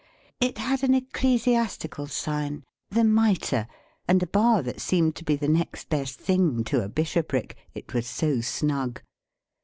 It had an ecclesiastical sign, the Mitre, and a bar that seemed to be the next best thing to a bishopric, it was so snug.